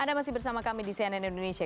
anda masih bersama kami di cnn indonesia